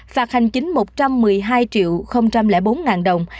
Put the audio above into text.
phạt hành chính một trăm một mươi hai triệu bốn đồng